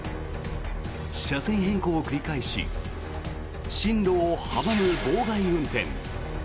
車線変更を繰り返し進路を阻む妨害運転。